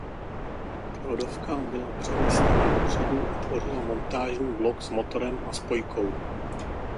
Převodovka byla přemístěna dopředu a tvořila montážní blok s motorem a spojkou.